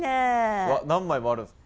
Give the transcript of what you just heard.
うわっ何枚もあるんですか？